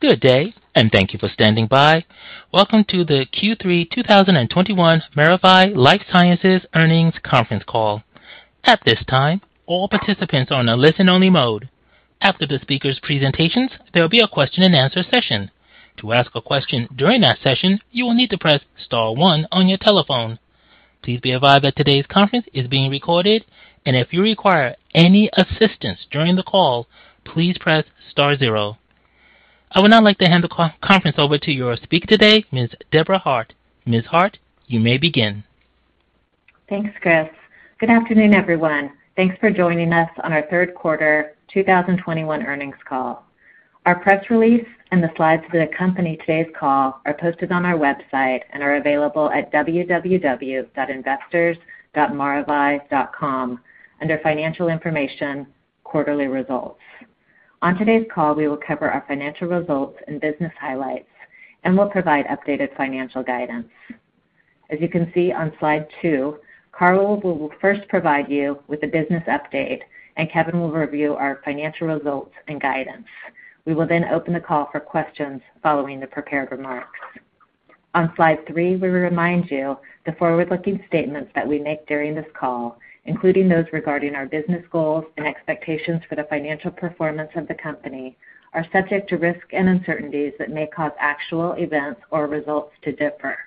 Good day, and thank you for standing by. Welcome to the Q3 2021 Maravai LifeSciences Earnings Conference Call. At this time, all participants are on a listen-only mode. After the speakers' presentations, there'll be a question-and-answer session. To ask a question during that session, you will need to press star one on your telephone. Please be advised that today's conference is being recorded, and if you require any assistance during the call, please press star zero. I would now like to hand the conference over to your speaker today, Ms. Debra Hart. Ms. Hart, you may begin. Thanks, Chris. Good afternoon, everyone. Thanks for joining us on our third quarter 2021 earnings call. Our press release and the slides that accompany today's call are posted on our website and are available at www.investors.maravai.com under Financial Information, Quarterly Results. On today's call, we will cover our financial results and business highlights and will provide updated financial guidance. As you can see on slide two, Carl will first provide you with a business update, and Kevin will review our financial results and guidance. We will then open the call for questions following the prepared remarks. On slide three, we remind you of the forward-looking statements that we make during this call, including those regarding our business goals and expectations for the financial performance of the company, are subject to risks and uncertainties that may cause actual events or results to differ.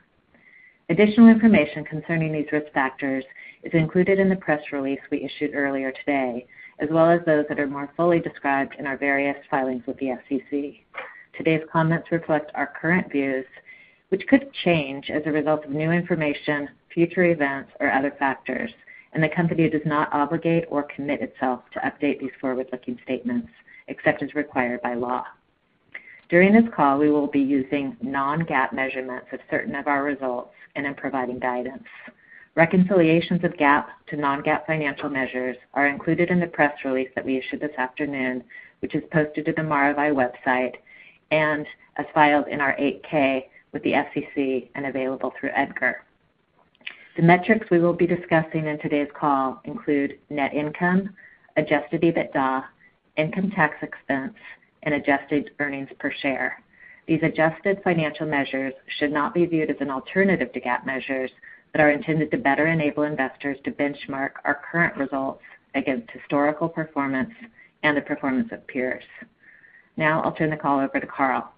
Additional information concerning these risk factors is included in the press release we issued earlier today, as well as those that are more fully described in our various filings with the SEC. Today's comments reflect our current views, which could change as a result of new information, future events, or other factors. The company does not obligate or commit itself to update these forward-looking statements except as required by law. During this call, we will be using non-GAAP measurements of certain of our results and in providing guidance. Reconciliations of GAAP to non-GAAP financial measures are included in the press release that we issued this afternoon, which is posted to the Maravai website and as filed in our eight-K with the SEC and available through EDGAR. The metrics we will be discussing in today's call include net income, adjusted EBITDA, income tax expense, and adjusted earnings per share. These adjusted financial measures should not be viewed as an alternative to GAAP measures but are intended to better enable investors to benchmark our current results against historical performance and the performance of peers. Now I'll turn the call over to Carl.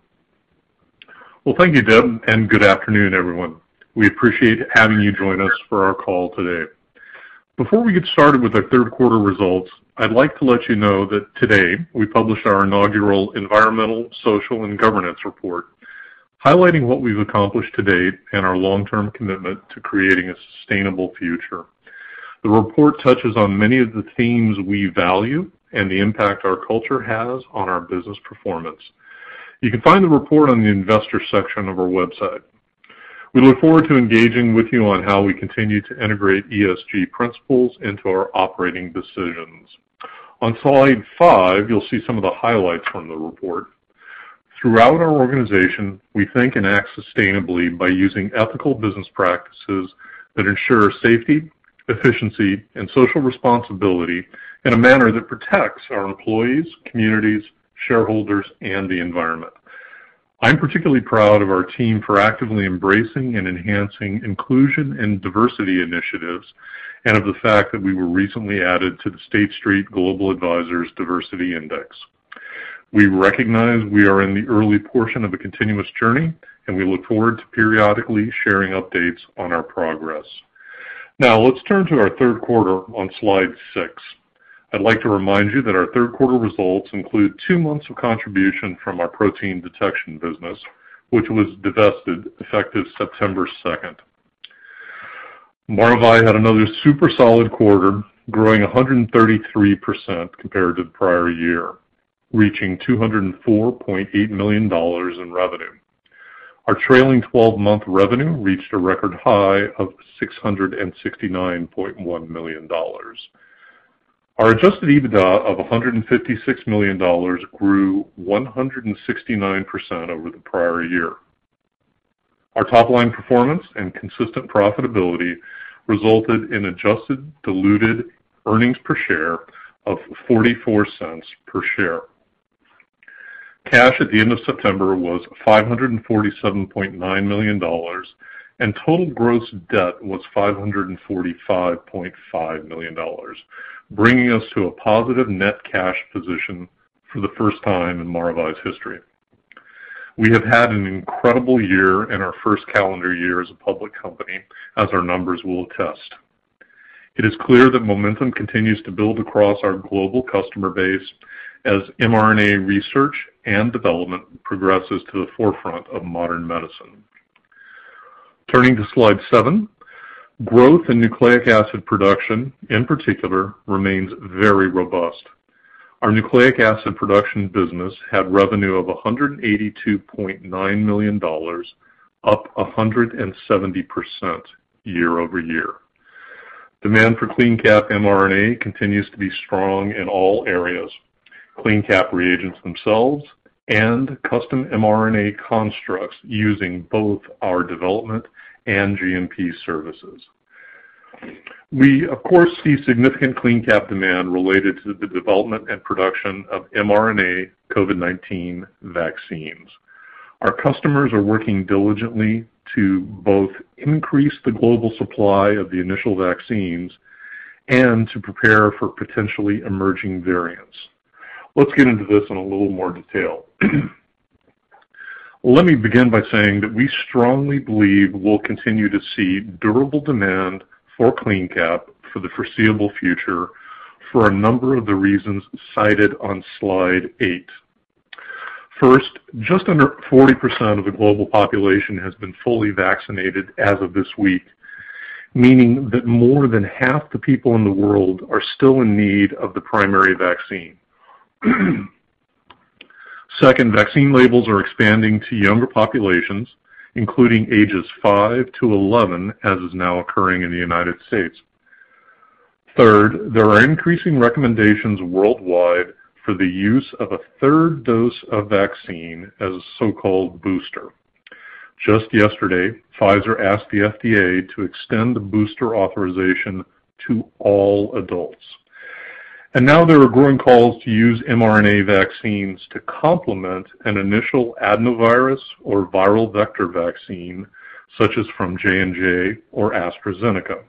Well, thank you, Deb, and good afternoon, everyone. We appreciate having you join us for our call today. Before we get started with our third quarter results, I'd like to let you know that today we published our inaugural Environmental, Social and Governance report, highlighting what we've accomplished to date and our long-term commitment to creating a sustainable future. The report touches on many of the themes we value and the impact our culture has on our business performance. You can find the report on the investor section of our website. We look forward to engaging with you on how we continue to integrate ESG principles into our operating decisions. On slide five, you'll see some of the highlights from the report. Throughout our organization, we think and act sustainably by using ethical business practices that ensure safety, efficiency, and social responsibility in a manner that protects our employees, communities, shareholders, and the environment. I'm particularly proud of our team for actively embracing and enhancing inclusion and diversity initiatives, and of the fact that we were recently added to the SSGA Gender Diversity Index. We recognize we are in the early portion of a continuous journey, and we look forward to periodically sharing updates on our progress. Now let's turn to our third quarter on slide six. I'd like to remind you that our third quarter results include two months of contribution from our protein detection business, which was divested effective September second. Maravai had another super solid quarter, growing 133% compared to the prior year, reaching $204.8 million in revenue. Our trailing twelve-month revenue reached a record high of $669.1 million. Our adjusted EBITDA of $156 million grew 169% over the prior year. Our top-line performance and consistent profitability resulted in adjusted diluted earnings per share of $0.44 per share. Cash at the end of September was $547.9 million, and total gross debt was $545.5 million, bringing us to a positive net cash position for the first time in Maravai's history. We have had an incredible year in our first calendar year as a public company, as our numbers will attest. It is clear that momentum continues to build across our global customer base as mRNA research and development progresses to the forefront of modern medicine. Turning to slide seven. Growth in Nucleic Acid Production, in particular, remains very robust. Our nucleic acid production business had revenue of $182.9 million, up 170% year-over-year. Demand for CleanCap mRNA continues to be strong in all areas, CleanCap reagents themselves and custom mRNA constructs using both our development and GMP services. We of course see significant CleanCap demand related to the development and production of mRNA COVID-19 vaccines. Our customers are working diligently to both increase the global supply of the initial vaccines and to prepare for potentially emerging variants. Let's get into this in a little more detail. Let me begin by saying that we strongly believe we'll continue to see durable demand for CleanCap for the foreseeable future for a number of the reasons cited on slide eight. First, just under 40% of the global population has been fully vaccinated as of this week, meaning that more than half the people in the world are still in need of the primary vaccine. Second, vaccine labels are expanding to younger populations, including ages five to eleven, as is now occurring in the United States. Third, there are increasing recommendations worldwide for the use of a third dose of vaccine as a so-called booster. Just yesterday, Pfizer asked the FDA to extend the booster authorization to all adults. Now there are growing calls to use mRNA vaccines to complement an initial adenovirus or viral vector vaccine, such as from J&J or AstraZeneca.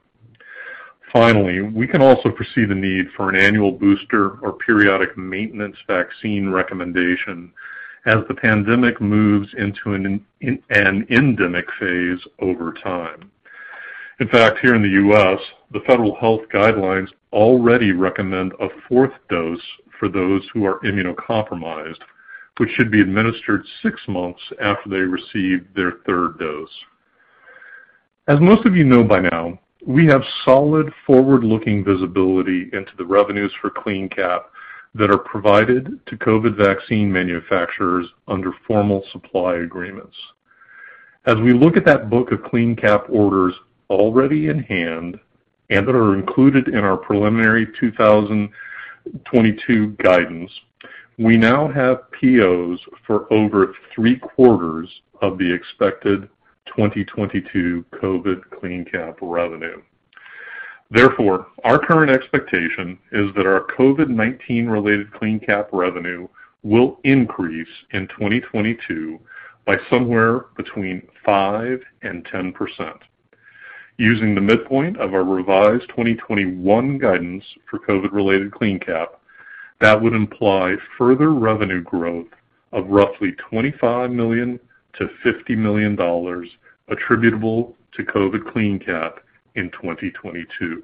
Finally, we can also foresee the need for an annual booster or periodic maintenance vaccine recommendation as the pandemic moves into an endemic phase over time. In fact, here in the U.S., the federal health guidelines already recommend a fourth dose for those who are immunocompromised, which should be administered six months after they receive their third dose. As most of you know by now, we have solid forward-looking visibility into the revenues for CleanCap that are provided to COVID vaccine manufacturers under formal supply agreements. As we look at that book of CleanCap orders already in hand and that are included in our preliminary 2022 guidance, we now have POs for over three-quarters of the expected 2022 COVID CleanCap revenue. Therefore, our current expectation is that our COVID-19 related CleanCap revenue will increase in 2022 by somewhere between 5%-10%. Using the midpoint of our revised 2021 guidance for COVID-related CleanCap, that would imply further revenue growth of roughly $25 million-$50 million attributable to COVID CleanCap in 2022.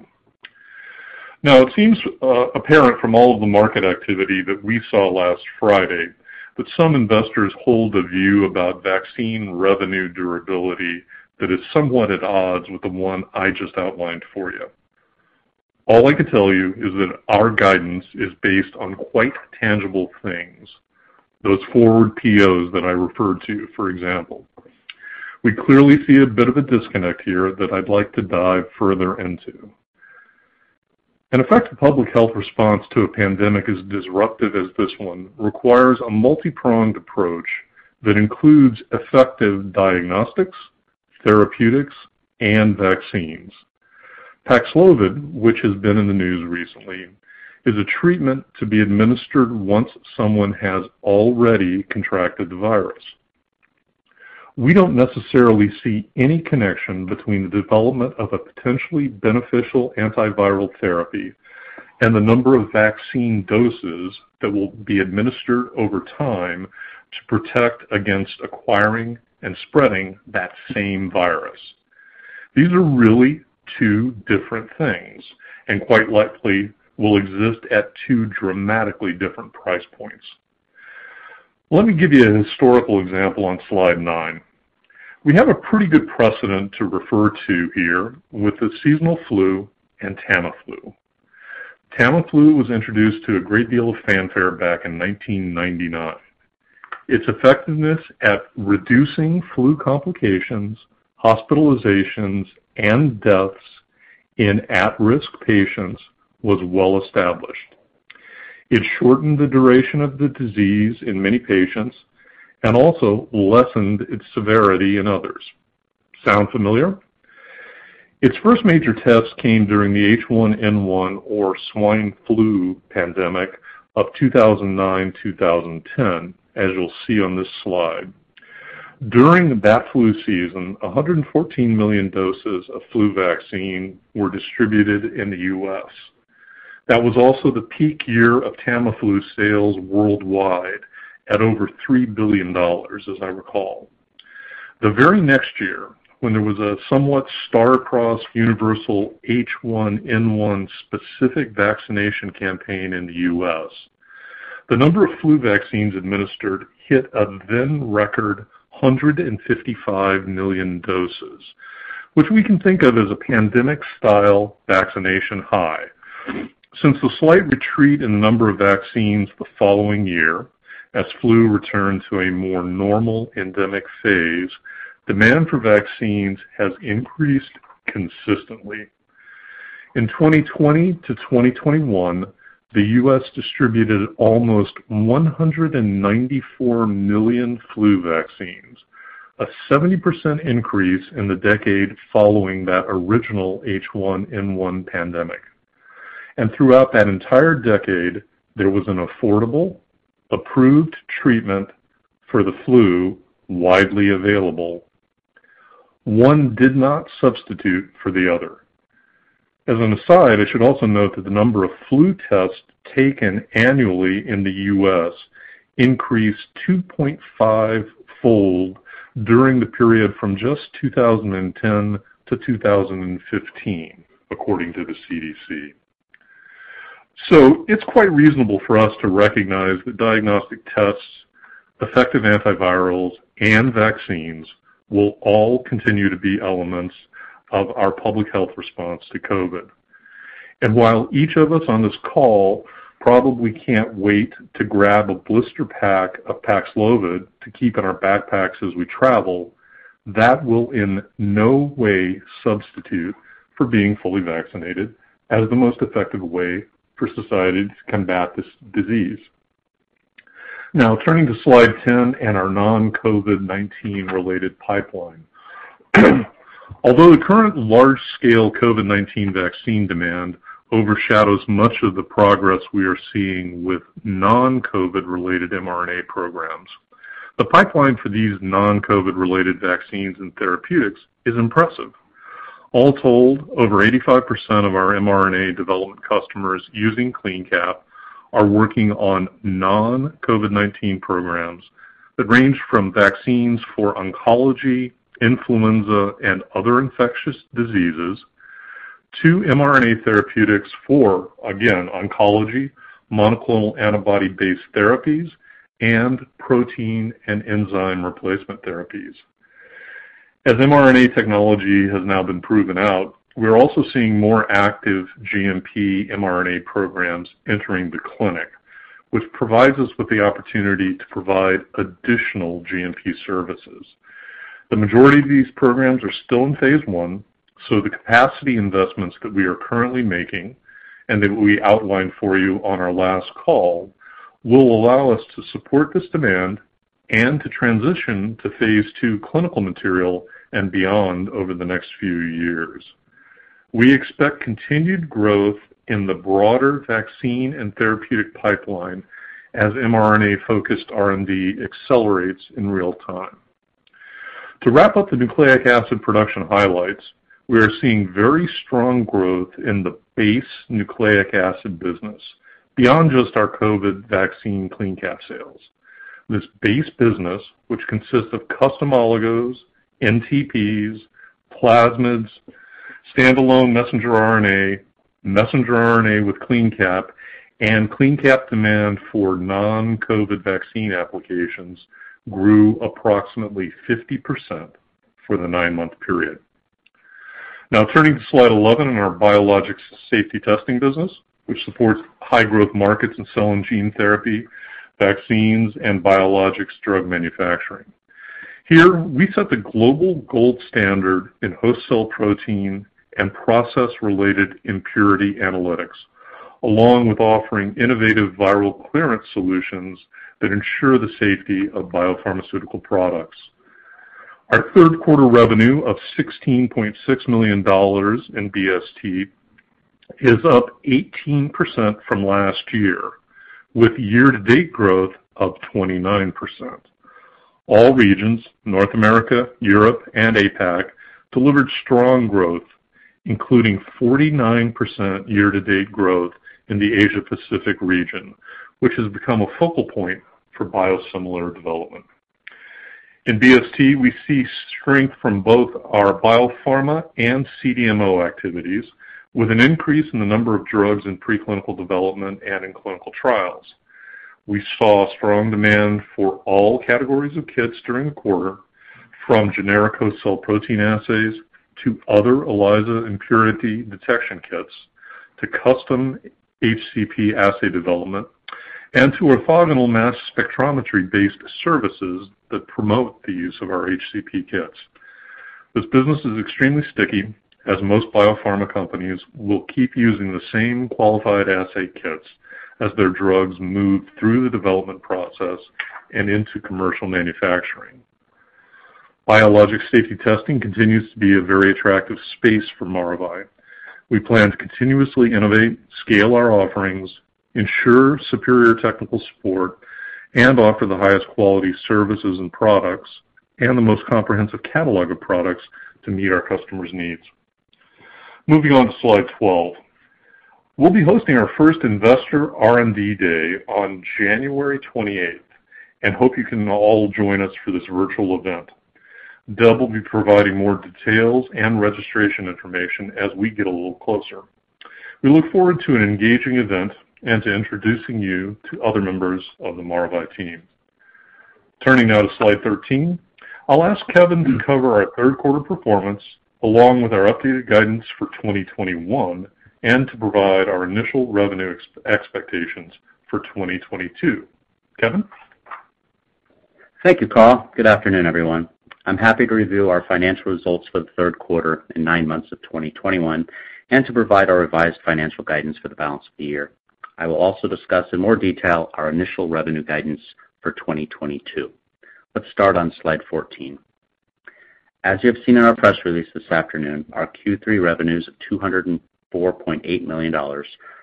Now, it seems apparent from all of the market activity that we saw last Friday that some investors hold a view about vaccine revenue durability that is somewhat at odds with the one I just outlined for you. All I can tell you is that our guidance is based on quite tangible things, those forward POs that I referred to, for example. We clearly see a bit of a disconnect here that I'd like to dive further into. An effective public health response to a pandemic as disruptive as this one requires a multi-pronged approach that includes effective diagnostics, therapeutics, and vaccines. PAXLOVID, which has been in the news recently, is a treatment to be administered once someone has already contracted the virus. We don't necessarily see any connection between the development of a potentially beneficial antiviral therapy and the number of vaccine doses that will be administered over time to protect against acquiring and spreading that same virus. These are really two different things and quite likely will exist at two dramatically different price points. Let me give you a historical example on slide nine. We have a pretty good precedent to refer to here with the seasonal flu and Tamiflu. Tamiflu was introduced to a great deal of fanfare back in 1999. Its effectiveness at reducing flu complications, hospitalizations, and deaths in at-risk patients was well established. It shortened the duration of the disease in many patients and also lessened its severity in others. Sound familiar? Its first major test came during the H1N1 or swine flu pandemic of 2009, 2010, as you'll see on this slide. During that flu season, 114 million doses of flu vaccine were distributed in the U.S. That was also the peak year of Tamiflu sales worldwide at over $3 billion, as I recall. The very next year, when there was a somewhat star-crossed universal H1N1 specific vaccination campaign in the U.S., the number of flu vaccines administered hit a then record 155 million doses, which we can think of as a pandemic-style vaccination high. Since the slight retreat in the number of vaccines the following year, as flu returned to a more normal endemic phase, demand for vaccines has increased consistently. In 2020 to 2021, the U.S. distributed almost 194 million flu vaccines, a 70% increase in the decade following that original H1N1 pandemic. Throughout that entire decade, there was an affordable, approved treatment for the flu widely available. One did not substitute for the other. As an aside, I should also note that the number of flu tests taken annually in the U.S. increased 2.5-fold during the period from just 2010 to 2015, according to the CDC. It's quite reasonable for us to recognize that diagnostic tests, effective antivirals, and vaccines will all continue to be elements of our public health response to COVID. While each of us on this call probably can't wait to grab a blister pack of PAXLOVID to keep in our backpacks as we travel, that will in no way substitute for being fully vaccinated as the most effective way for society to combat this disease. Now turning to slide 10 and our non-COVID-19 related pipeline. Although the current large-scale COVID-19 vaccine demand overshadows much of the progress we are seeing with non-COVID related mRNA programs, the pipeline for these non-COVID related vaccines and therapeutics is impressive. All told, over 85% of our mRNA development customers using CleanCap are working on non-COVID-19 programs that range from vaccines for oncology, influenza, and other infectious diseases to mRNA therapeutics for, again, oncology, monoclonal antibody-based therapies, and protein and enzyme replacement therapies. As mRNA technology has now been proven out, we are also seeing more active GMP mRNA programs entering the clinic, which provides us with the opportunity to provide additional GMP services. The majority of these programs are still in phase I, so the capacity investments that we are currently making and that we outlined for you on our last call will allow us to support this demand and to transition to phase II clinical material and beyond over the next few years. We expect continued growth in the broader vaccine and therapeutic pipeline as mRNA-focused R&D accelerates in real time. To wrap up the Nucleic Acid Production highlights, we are seeing very strong growth in the base nucleic acid business beyond just our COVID vaccine CleanCap sales. This base business, which consists of custom oligos, NTPs, plasmids, standalone messenger RNA, messenger RNA with CleanCap, and CleanCap demand for non-COVID vaccine applications, grew approximately 50% for the nine-month period. Now turning to slide 11 in our Biologics & Safety Testing business, which supports high growth markets in cell and gene therapy, vaccines, and biologics drug manufacturing. Here we set the global gold standard in host cell protein and process-related impurity analytics, along with offering innovative viral clearance solutions that ensure the safety of biopharmaceutical products. Our third quarter revenue of $16.6 million in BST is up 18% from last year, with year-to-date growth of 29%. All regions, North America, Europe, and APAC, delivered strong growth, including 49% year-to-date growth in the Asia-Pacific region, which has become a focal point for biosimilar development. In BST, we see strength from both our biopharma and CDMO activities, with an increase in the number of drugs in preclinical development and in clinical trials. We saw strong demand for all categories of kits during the quarter, from generic host cell protein assays to other ELISA impurity detection kits, to custom HCP assay development, and to orthogonal mass spectrometry-based services that promote the use of our HCP kits. This business is extremely sticky, as most biopharma companies will keep using the same qualified assay kits as their drugs move through the development process and into commercial manufacturing. Biologic safety testing continues to be a very attractive space for Maravai. We plan to continuously innovate, scale our offerings, ensure superior technical support, and offer the highest quality services and products and the most comprehensive catalog of products to meet our customers' needs. Moving on to slide 12. We'll be hosting our first investor R&D day on January 28th and hope you can all join us for this virtual event. Deb will be providing more details and registration information as we get a little closer. We look forward to an engaging event and to introducing you to other members of the Maravai team. Turning now to slide 13. I'll ask Kevin to cover our third quarter performance along with our updated guidance for 2021 and to provide our initial revenue expectations for 2022. Kevin? Thank you, Carl. Good afternoon, everyone. I'm happy to review our financial results for the third quarter and nine months of 2021 and to provide our revised financial guidance for the balance of the year. I will also discuss in more detail our initial revenue guidance for 2022. Let's start on slide 14. As you have seen in our press release this afternoon, our Q3 revenues of $204.8 million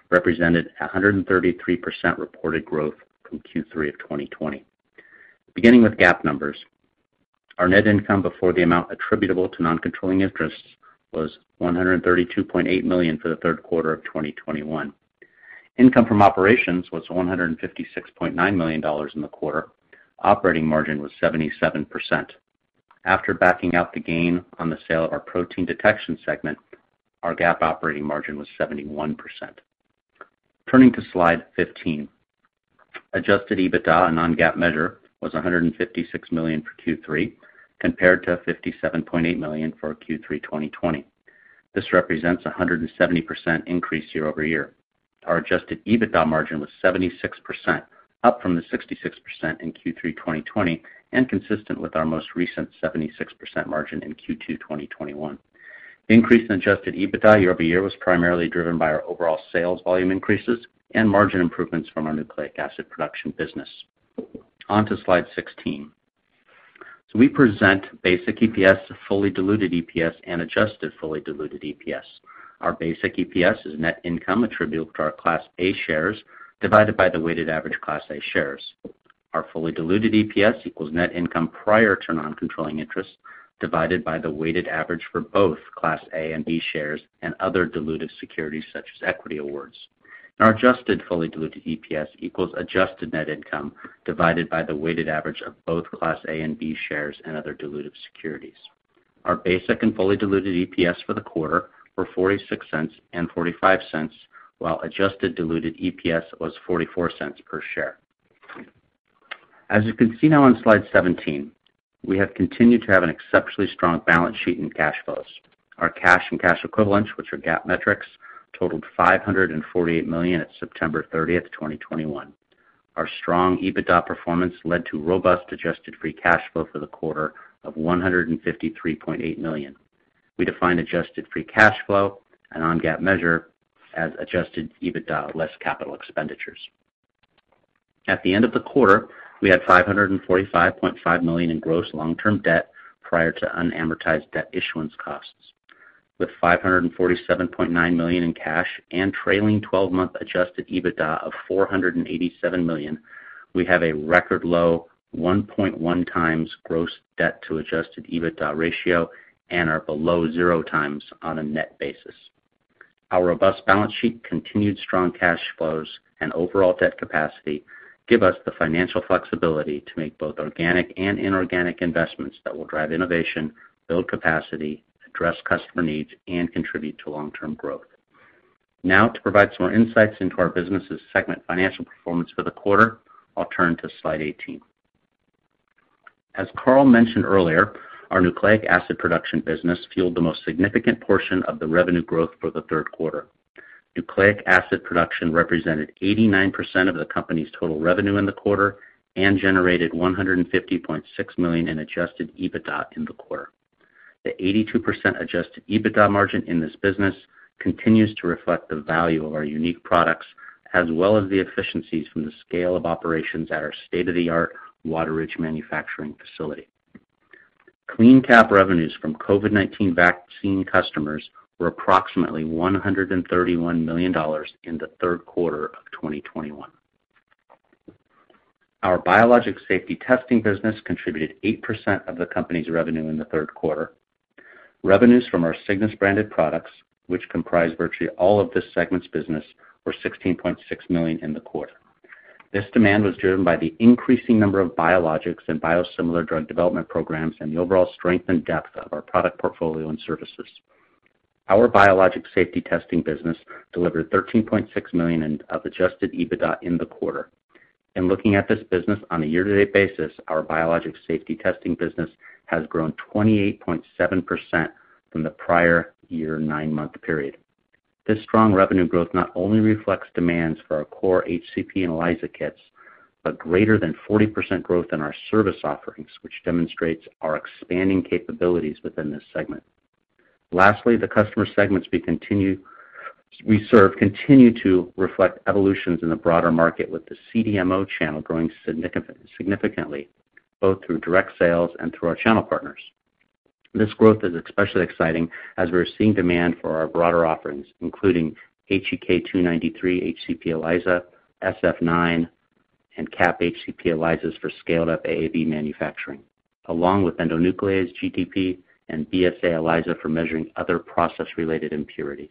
represented 133% reported growth from Q3 of 2020. Beginning with GAAP numbers, our net income before the amount attributable to non-controlling interests was $132.8 million for the third quarter of 2021. Income from operations was $156.9 million in the quarter. Operating margin was 77%. After backing out the gain on the sale of our protein detection segment, our GAAP operating margin was 71%. Turning to slide 15. Adjusted EBITDA, a non-GAAP measure, was $156 million for Q3 compared to $57.8 million for Q3 2020. This represents a 170% increase year-over-year. Our adjusted EBITDA margin was 76%, up from the 66% in Q3 2020 and consistent with our most recent 76% margin in Q2 2021. The increase in adjusted EBITDA year-over-year was primarily driven by our overall sales volume increases and margin improvements from our Nucleic Acid Production business. On to slide 16. We present basic EPS, fully diluted EPS, and adjusted fully diluted EPS. Our basic EPS is net income attributable to our Class A shares divided by the weighted average Class A shares. Our fully diluted EPS equals net income prior to non-controlling interests divided by the weighted average for both Class A and B shares and other dilutive securities such as equity awards. Our adjusted fully diluted EPS equals adjusted net income divided by the weighted average of both Class A and B shares and other dilutive securities. Our basic and fully diluted EPS for the quarter were $0.46 and $0.45, while adjusted diluted EPS was $0.44 per share. As you can see now on slide 17, we have continued to have an exceptionally strong balance sheet and cash flows. Our cash and cash equivalents, which are GAAP metrics, totaled $548 million at September 30, 2021. Our strong EBITDA performance led to robust adjusted free cash flow for the quarter of $153.8 million. We define adjusted free cash flow, a non-GAAP measure, as adjusted EBITDA less capital expenditures. At the end of the quarter, we had $545.5 million in gross long-term debt prior to unamortized debt issuance costs. With $547.9 million in cash and trailing 12-month adjusted EBITDA of $487 million, we have a record low 1.1x gross debt to adjusted EBITDA ratio and are below 0x on a net basis. Our robust balance sheet, continued strong cash flows, and overall debt capacity give us the financial flexibility to make both organic and inorganic investments that will drive innovation, build capacity, address customer needs, and contribute to long-term growth. Now to provide some more insights into our business segment financial performance for the quarter, I'll turn to slide 18. As Carl mentioned earlier, our Nucleic Acid Production business fueled the most significant portion of the revenue growth for the third quarter. Nucleic Acid Production represented 89% of the company's total revenue in the quarter and generated $150.6 million in adjusted EBITDA in the quarter. The 82% adjusted EBITDA margin in this business continues to reflect the value of our unique products as well as the efficiencies from the scale of operations at our state-of-the-art Wateridge manufacturing facility. CleanCap revenues from COVID-19 vaccine customers were approximately $131 million in the third quarter of 2021. Our Biologics Safety Testing business contributed 8% of the company's revenue in the third quarter. Revenues from our Cygnus-branded products, which comprise virtually all of this segment's business, were $16.6 million in the quarter. This demand was driven by the increasing number of biologics and biosimilar drug development programs and the overall strength and depth of our product portfolio and services. Our Biologics Safety Testing business delivered $13.6 million of adjusted EBITDA in the quarter. In looking at this business on a year-to-date basis, our Biologics Safety Testing business has grown 28.7% from the prior year nine-month period. This strong revenue growth not only reflects demands for our core HCP and ELISA kits, but greater than 40% growth in our service offerings, which demonstrates our expanding capabilities within this segment. Lastly, the customer segments we continue to serve continue to reflect evolutions in the broader market, with the CDMO channel growing significantly, both through direct sales and through our channel partners. This growth is especially exciting as we are seeing demand for our broader offerings, including HEK293 HCP ELISA, SF9, and CAP HCP ELISAs for scaled-up AAV manufacturing, along with endonuclease, GTP, and BSA ELISA for measuring other process-related impurities.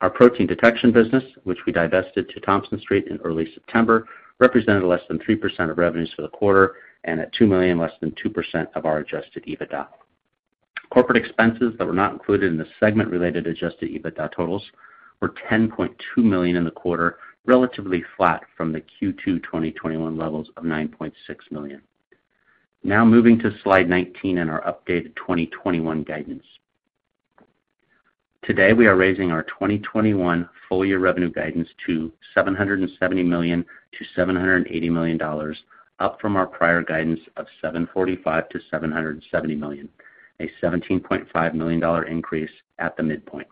Our protein detection business, which we divested to Thompson Street in early September, represented less than 3% of revenues for the quarter and at $2 million, less than 2% of our adjusted EBITDA. Corporate expenses that were not included in the segment-related adjusted EBITDA totals were $10.2 million in the quarter, relatively flat from the Q2 2021 levels of $9.6 million. Now moving to slide 19 and our updated 2021 guidance. Today, we are raising our 2021 full-year revenue guidance to $770 million-$780 million, up from our prior guidance of $745 million-$770 million, a $17.5 million increase at the midpoint.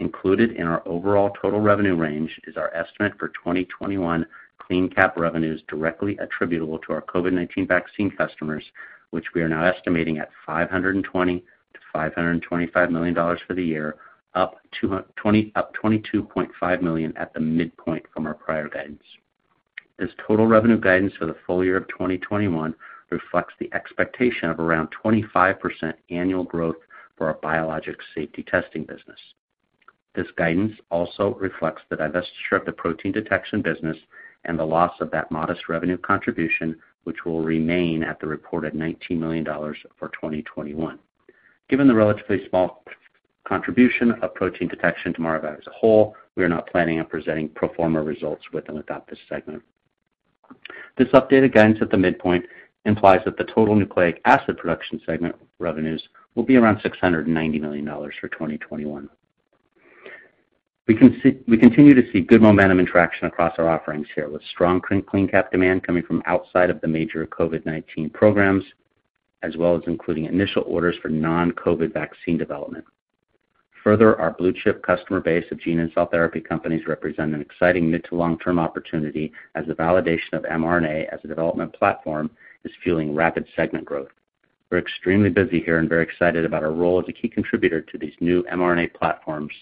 Included in our overall total revenue range is our estimate for 2021 CleanCap revenues directly attributable to our COVID-19 vaccine customers, which we are now estimating at $520 million-$525 million for the year, up $22.5 million at the midpoint from our prior guidance. This total revenue guidance for the full year of 2021 reflects the expectation of around 25% annual growth for our Biologics Safety Testing business. This guidance also reflects the divestiture of the protein detection business and the loss of that modest revenue contribution, which will remain at the reported $19 million for 2021. Given the relatively small contribution of protein detection to Maravai as a whole, we are not planning on presenting pro forma results with and without this segment. This updated guidance at the midpoint implies that the total Nucleic Acid Production segment revenues will be around $690 million for 2021. We continue to see good momentum and traction across our offerings here, with strong CleanCap demand coming from outside of the major COVID-19 programs, as well as including initial orders for non-COVID vaccine development. Further, our blue chip customer base of gene and cell therapy companies represent an exciting mid to long-term opportunity as the validation of mRNA as a development platform is fueling rapid segment growth. We're extremely busy here and very excited about our role as a key contributor to these new mRNA platforms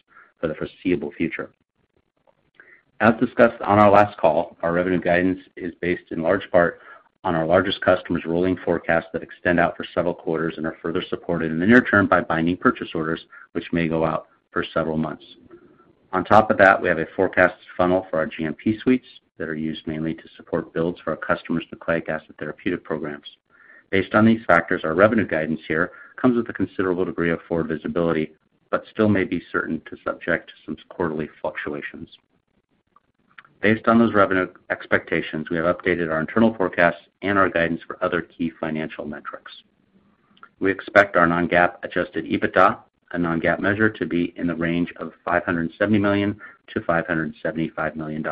for the foreseeable future. As discussed on our last call, our revenue guidance is based in large part on our largest customers' rolling forecasts that extend out for several quarters and are further supported in the near term by binding purchase orders, which may go out for several months. On top of that, we have a forecast funnel for our GMP suites that are used mainly to support builds for our customers' nucleic acid therapeutic programs. Based on these factors, our revenue guidance here comes with a considerable degree of forward visibility, but still subject to some quarterly fluctuations. Based on those revenue expectations, we have updated our internal forecasts and our guidance for other key financial metrics. We expect our non-GAAP adjusted EBITDA, a non-GAAP measure, to be in the range of $570 million-$575 million,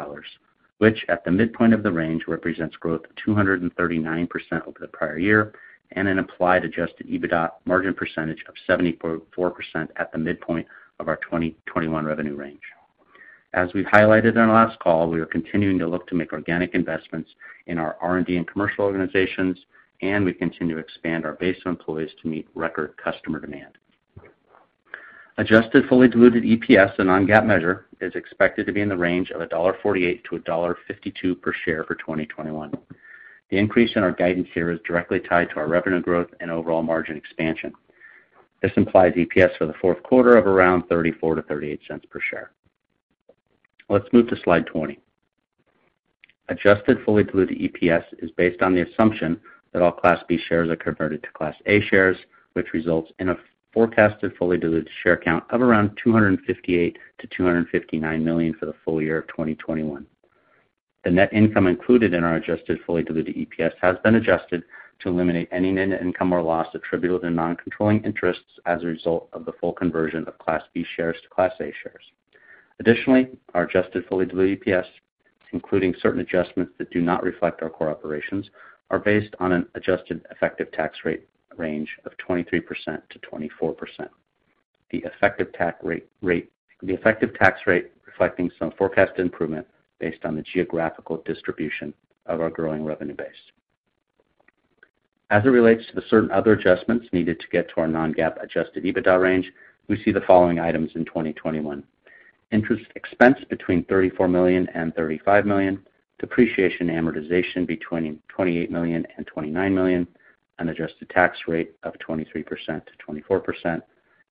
which at the midpoint of the range represents growth of 239% over the prior year and an implied adjusted EBITDA margin of 74% at the midpoint of our 2021 revenue range. As we've highlighted on our last call, we are continuing to look to make organic investments in our R&D and commercial organizations, and we continue to expand our base of employees to meet record customer demand. Adjusted fully diluted EPS, a non-GAAP measure, is expected to be in the range of $1.48-$1.52 per share for 2021. The increase in our guidance here is directly tied to our revenue growth and overall margin expansion. This implies EPS for the fourth quarter of around $0.34-$0.38 per share. Let's move to slide 20. Adjusted fully diluted EPS is based on the assumption that all Class B shares are converted to Class A shares, which results in a forecasted fully diluted share count of around 258-259 million for the full- year of 2021. The net income included in our adjusted fully diluted EPS has been adjusted to eliminate any net income or loss attributable to non-controlling interests as a result of the full conversion of Class B shares to Class A shares. Additionally, our adjusted fully diluted EPS, including certain adjustments that do not reflect our core operations, are based on an adjusted effective tax rate range of 23%-24%. The effective tax rate reflecting some forecast improvement based on the geographical distribution of our growing revenue base. As it relates to the certain other adjustments needed to get to our non-GAAP adjusted EBITDA range, we see the following items in 2021. Interest expense between $34 million and $35 million, depreciation and amortization between $28 million and $29 million, an adjusted tax rate of 23%-24%,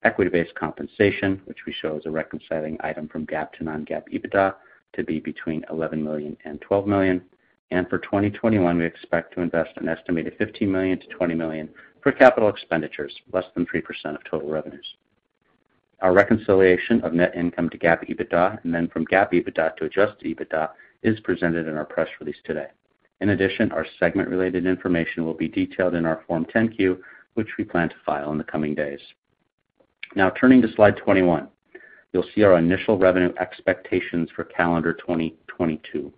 equity-based compensation, which we show as a reconciling item from GAAP to non-GAAP EBITDA to be between $11 million and $12 million. For 2021, we expect to invest an estimated $15 million-$20 million for capital expenditures, less than 3% of total revenues. Our reconciliation of net income to GAAP EBITDA and then from GAAP EBITDA to adjusted EBITDA is presented in our press release today. In addition, our segment-related information will be detailed in our Form 10-Q, which we plan to file in the coming days. Now, turning to slide 21, you'll see our initial revenue expectations for calendar 2022.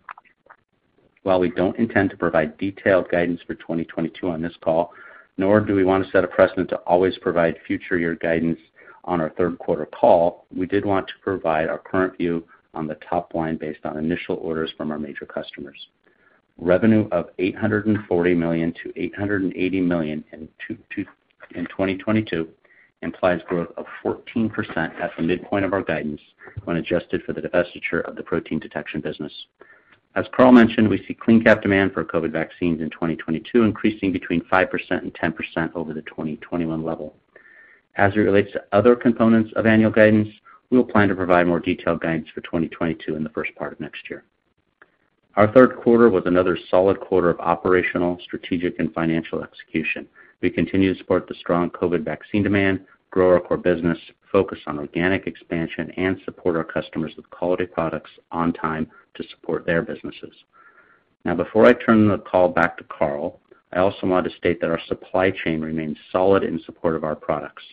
While we don't intend to provide detailed guidance for 2022 on this call, nor do we want to set a precedent to always provide future year guidance on our third quarter call, we did want to provide our current view on the top line based on initial orders from our major customers. Revenue of $840 million-$880 million in 2022 implies growth of 14% at the midpoint of our guidance when adjusted for the divestiture of the protein detection business. As Carl mentioned, we see CleanCap demand for COVID vaccines in 2022 increasing between 5% and 10% over the 2021 level. As it relates to other components of annual guidance, we'll plan to provide more detailed guidance for 2022 in the first part of next year. Our third quarter was another solid quarter of operational, strategic, and financial execution. We continue to support the strong COVID vaccine demand, grow our core business, focus on organic expansion, and support our customers with quality products on time to support their businesses. Now, before I turn the call back to Carl, I also want to state that our supply chain remains solid in support of our products.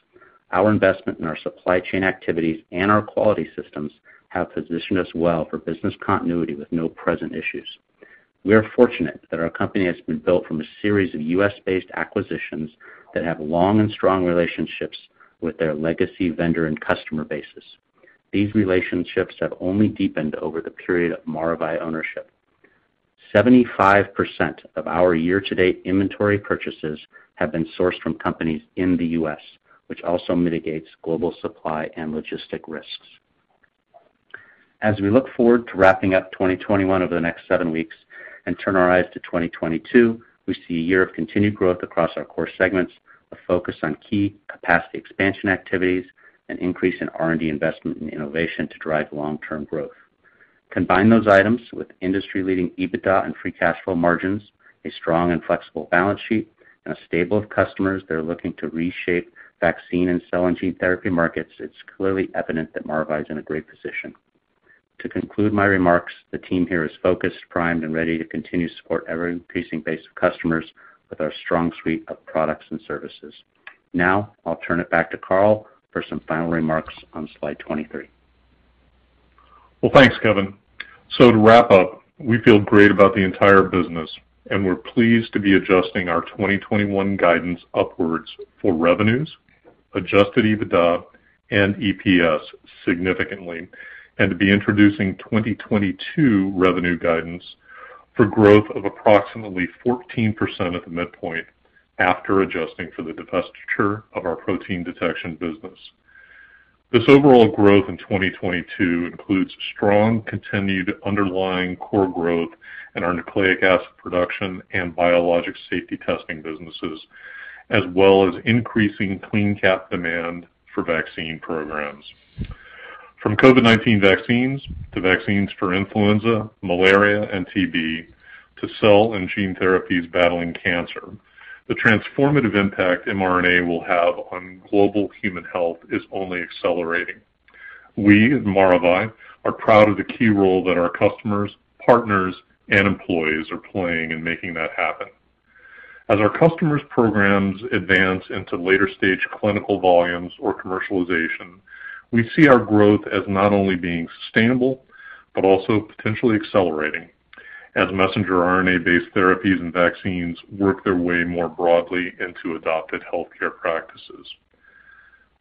Our investment in our supply chain activities and our quality systems have positioned us well for business continuity with no present issues. We are fortunate that our company has been built from a series of U.S.-based acquisitions that have long and strong relationships with their legacy vendor and customer bases. These relationships have only deepened over the period of Maravai ownership. 75% of our year-to-date inventory purchases have been sourced from companies in the U.S., which also mitigates global supply and logistic risks. As we look forward to wrapping up 2021 over the next 7 weeks and turn our eyes to 2022, we see a year of continued growth across our core segments, a focus on key capacity expansion activities, an increase in R&D investment in innovation to drive long-term growth. Combine those items with industry-leading EBITDA and free cash flow margins, a strong and flexible balance sheet, and a stable of customers that are looking to reshape vaccine and cell and gene therapy markets, it's clearly evident that Maravai is in a great position. To conclude my remarks, the team here is focused, primed, and ready to continue to support our ever-increasing base of customers with our strong suite of products and services. Now, I'll turn it back to Carl for some final remarks on slide 23. Well, thanks, Kevin. To wrap up, we feel great about the entire business, and we're pleased to be adjusting our 2021 guidance upwards for revenues, adjusted EBITDA, and EPS significantly, and to be introducing 2022 revenue guidance for growth of approximately 14% at the midpoint after adjusting for the divestiture of our protein detection business. This overall growth in 2022 includes strong, continued underlying core growth in our Nucleic Acid Production and Biologics Safety Testing businesses, as well as increasing CleanCap demand for vaccine programs. From COVID-19 vaccines to vaccines for influenza, malaria, and TB, to cell and gene therapies battling cancer, the transformative impact mRNA will have on global human health is only accelerating. We at Maravai are proud of the key role that our customers, partners, and employees are playing in making that happen. As our customers' programs advance into later stage clinical volumes or commercialization, we see our growth as not only being sustainable, but also potentially accelerating as messenger RNA-based therapies and vaccines work their way more broadly into adopted healthcare practices.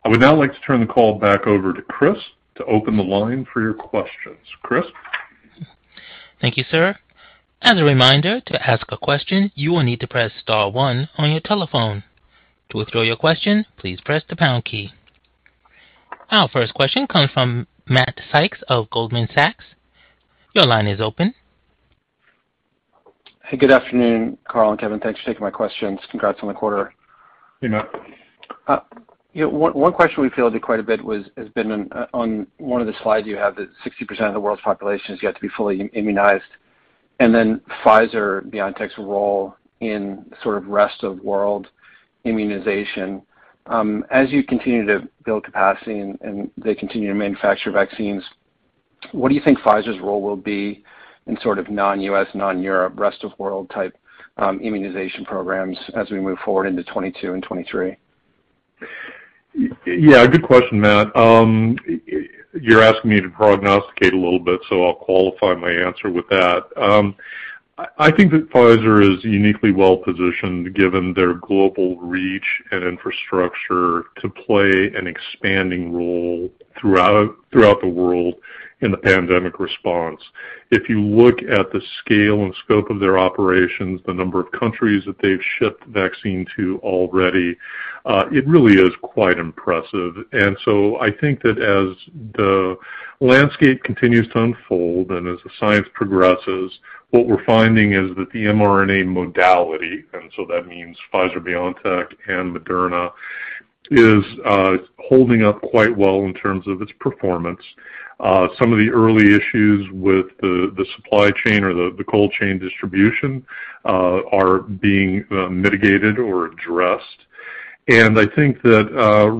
I would now like to turn the call back over to Chris to open the line for your questions. Chris? Thank you, sir. As a reminder, to ask a question, you will need to press star one on your telephone. To withdraw your question, please press the pound key. Our first question comes from Matt Sykes of Goldman Sachs. Your line is open. Hey, good afternoon, Carl and Kevin. Thanks for taking my questions. Congrats on the quarter. Hey, Matt. You know, one question we fielded quite a bit has been on one of the slides you have that 60% of the world's population has yet to be fully immunized, and then Pfizer-BioNTech's role in sort of rest of world immunization. As you continue to build capacity and they continue to manufacture vaccines, what do you think Pfizer's role will be in sort of non-U.S., non-Europe, rest of world type immunization programs as we move forward into 2022 and 2023? Yeah, good question, Matt. You're asking me to prognosticate a little bit, so I'll qualify my answer with that. I think that Pfizer is uniquely well-positioned, given their global reach and infrastructure, to play an expanding role throughout the world in the pandemic response. If you look at the scale and scope of their operations, the number of countries that they've shipped the vaccine to already, it really is quite impressive. I think that as the landscape continues to unfold and as the science progresses, what we're finding is that the mRNA modality, and so that means Pfizer BioNTech and Moderna, is holding up quite well in terms of its performance. Some of the early issues with the supply chain or the cold chain distribution are being mitigated or addressed. I think that,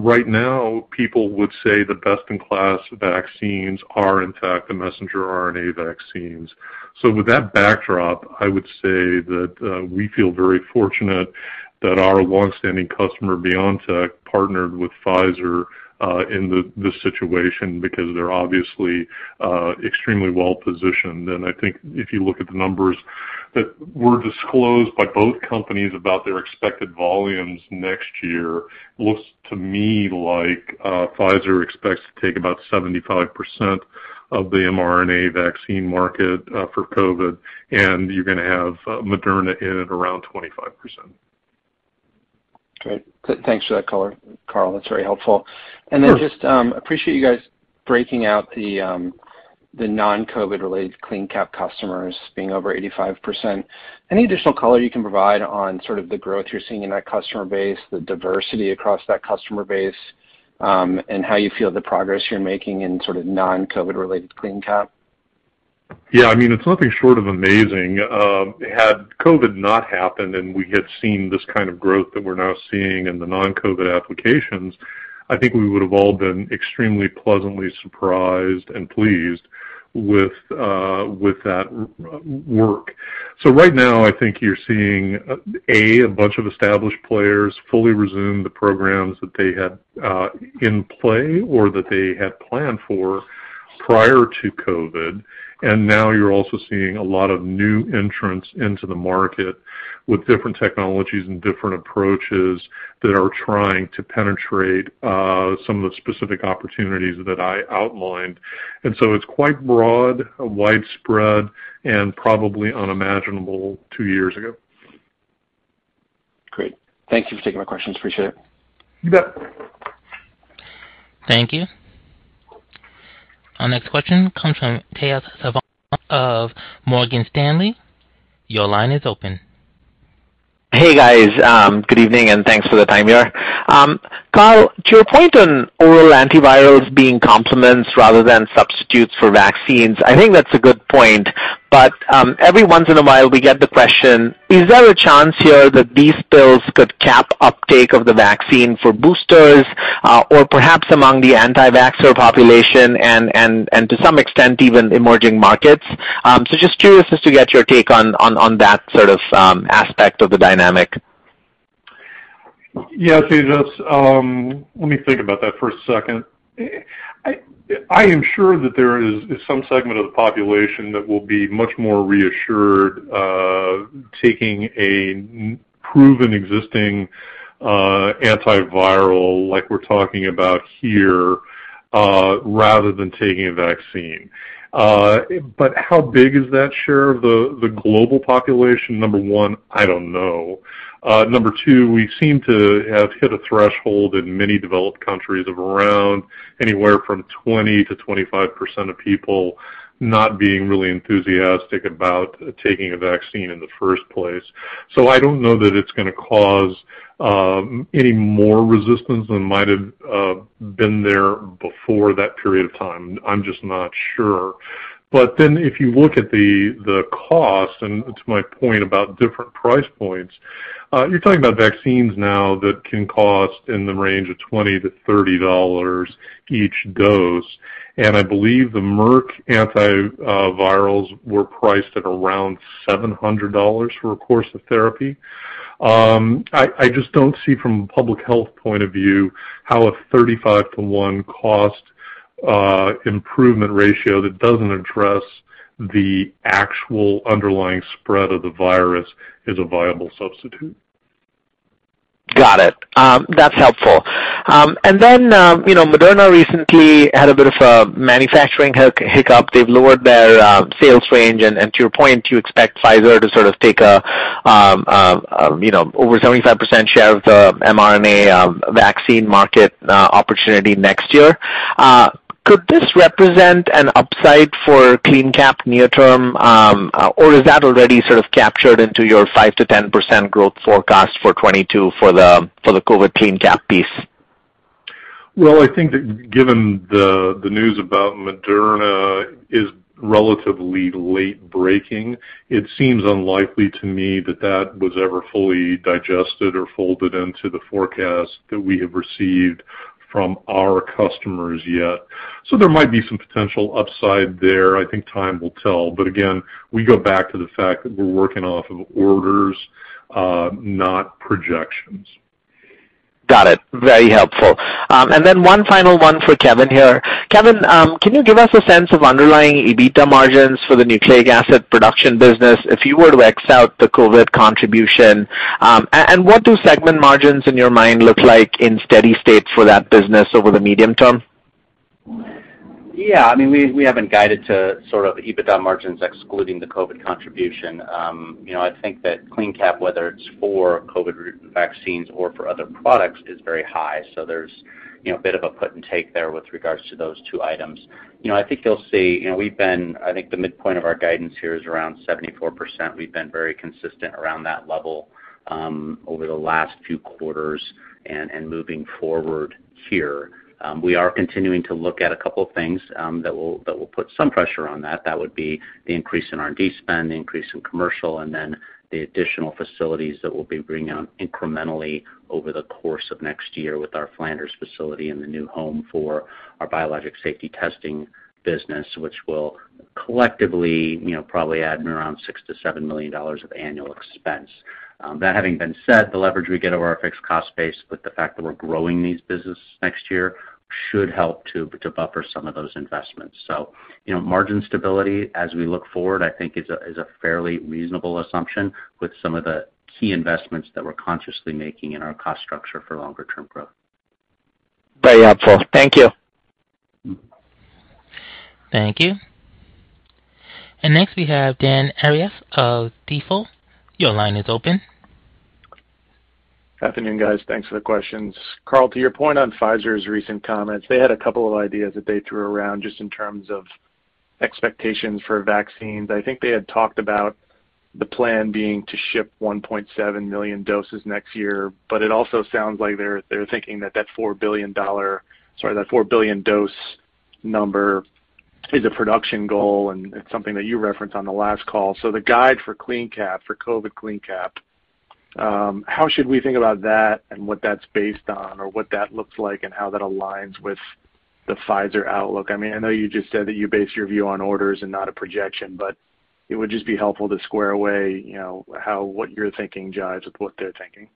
right now people would say the best-in-class vaccines are in fact the messenger RNA vaccines. With that backdrop, I would say that, we feel very fortunate that our longstanding customer, BioNTech, partnered with Pfizer, in this situation because they're obviously, extremely well-positioned. I think if you look at the numbers that were disclosed by both companies about their expected volumes next year, looks to me like, Pfizer expects to take about 75% of the mRNA vaccine market, for COVID, and you're gonna have, Moderna in at around 25%. Great. Thanks for that color, Carl. That's very helpful. Sure. I just appreciate you guys breaking out the non-COVID-related CleanCap customers being over 85%. Any additional color you can provide on sort of the growth you're seeing in that customer base, the diversity across that customer base, and how you feel the progress you're making in sort of non-COVID-related CleanCap? Yeah, I mean, it's nothing short of amazing. Had COVID not happened and we had seen this kind of growth that we're now seeing in the non-COVID applications, I think we would have all been extremely pleasantly surprised and pleased with that work. Right now I think you're seeing a bunch of established players fully resume the programs that they had in play or that they had planned for prior to COVID, and now you're also seeing a lot of new entrants into the market. With different technologies and different approaches that are trying to penetrate some of the specific opportunities that I outlined. It's quite broad, widespread, and probably unimaginable two years ago. Great. Thank you for taking my questions. Appreciate it. You bet. Thank you. Our next question comes from Tejas Savant of Morgan Stanley. Your line is open. Hey, guys. Good evening, and thanks for the time here. Carl, to your point on oral antivirals being complements rather than substitutes for vaccines, I think that's a good point. Every once in a while we get the question, is there a chance here that these pills could cap uptake of the vaccine for boosters, or perhaps among the anti-vaxxer population and to some extent even emerging markets? So just curious as to get your take on that sort of aspect of the dynamic. Yes, Tejas. Let me think about that for a second. I am sure that there is some segment of the population that will be much more reassured taking a proven existing antiviral like we're talking about here rather than taking a vaccine. How big is that share of the global population? Number one, I don't know. Number two, we seem to have hit a threshold in many developed countries of around anywhere from 20%-25% of people not being really enthusiastic about taking a vaccine in the first place. I don't know that it's gonna cause any more resistance than might have been there before that period of time. I'm just not sure. If you look at the cost, and to my point about different price points, you're talking about vaccines now that can cost in the range of $20-$30 each dose, and I believe the Merck antivirals were priced at around $700 for a course of therapy. I just don't see from a public health point of view how a 35-to-1 cost improvement ratio that doesn't address the actual underlying spread of the virus is a viable substitute. Got it. That's helpful. You know, Moderna recently had a bit of a manufacturing hiccup. They've lowered their sales range. To your point, you expect Pfizer to sort of take a you know, over 75% share of the mRNA vaccine market opportunity next year. Could this represent an upside for CleanCap near term, or is that already sort of captured into your 5%-10% growth forecast for 2022 for the COVID CleanCap piece? Well, I think that given the news about Moderna is relatively late breaking, it seems unlikely to me that that was ever fully digested or folded into the forecast that we have received from our customers yet. There might be some potential upside there. I think time will tell. Again, we go back to the fact that we're working off of orders, not projections. Got it. Very helpful. One final one for Kevin here. Kevin, can you give us a sense of underlying EBITDA margins for the Nucleic Acid Production business if you were to X out the COVID contribution? What do segment margins in your mind look like in steady state for that business over the medium term? Yeah. I mean, we haven't guided to sort of EBITDA margins excluding the COVID contribution. You know, I think that CleanCap, whether it's for COVID vaccines or for other products, is very high. So there's, you know, a bit of a put and take there with regards to those two items. You know, I think you'll see, you know, we've been. I think the midpoint of our guidance here is around 74%. We've been very consistent around that level over the last few quarters and moving forward here. We are continuing to look at a couple things that will put some pressure on that. That would be the increase in R&D spend, the increase in commercial, and then the additional facilities that we'll be bringing on incrementally over the course of next year with our Flanders facility and the new home for our Biologics Safety Testing business, which will collectively, you know, probably add in around $6 million-$7 million of annual expense. That having been said, the leverage we get over our fixed cost base with the fact that we're growing these business next year should help to buffer some of those investments. You know, margin stability as we look forward, I think is a fairly reasonable assumption with some of the key investments that we're consciously making in our cost structure for longer term growth. Very helpful. Thank you. Thank you. Next we have Dan Arias of B. Riley. Your line is open. Good afternoon, guys. Thanks for the questions. Carl, to your point on Pfizer's recent comments, they had a couple of ideas that they threw around just in terms of expectations for vaccines. I think they had talked about the plan being to ship 1.7 million doses next year, but it also sounds like they're thinking that four billion dose number is a production goal, and it's something that you referenced on the last call. The guide for CleanCap, for COVID CleanCap, how should we think about that and what that's based on or what that looks like and how that aligns with the Pfizer outlook? I mean, I know you just said that you base your view on orders and not a projection, but it would just be helpful to square away, you know, how what you're thinking jibes with what they're thinking.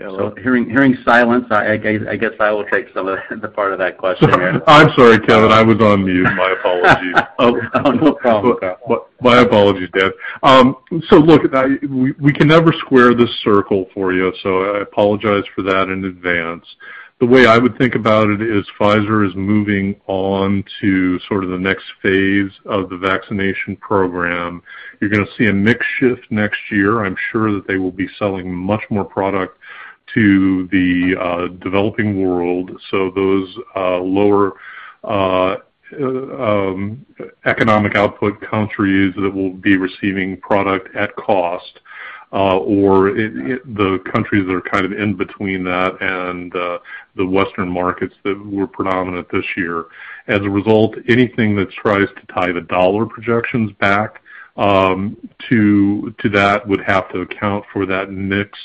Hearing silence, I guess I will take some of the part of that question here. I'm sorry, Kevin. I was on mute. My apologies. Oh, no problem, Carl. My apologies, Dan. Look, we can never square this circle for you. I apologize for that in advance. The way I would think about it is Pfizer is moving on to sort of the next phase of the vaccination program. You're gonna see a mix shift next year. I'm sure that they will be selling much more product to the developing world, so those lower economic output countries that will be receiving product at cost or the countries that are kind of in between that and the Western markets that were predominant this year. As a result, anything that tries to tie the dollar projections back to that would have to account for that mix